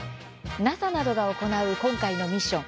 ＮＡＳＡなどが行う今回のミッション